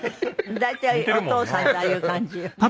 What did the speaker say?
大体お父さんってああいう感じよね。